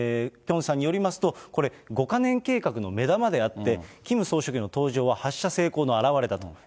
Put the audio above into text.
ピョンさんによりますと、これ、５か年計画の目玉であって、キム総書記の登場は発射成功の表れだと。